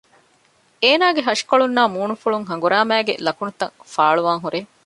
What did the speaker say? އޭނާގެ ހަށިކޮޅުންނާއި މޫނުފުޅުން ހަނގުރާމައިގެ ލަކުނުތައް ފާޅުވާން ހުރޭ